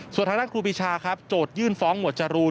ส่วนทางด้านครูปีชาครับโจทยื่นฟ้องหมวดจรูน